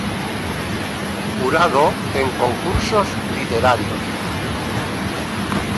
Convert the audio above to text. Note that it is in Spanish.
Jurado en concursos literarios.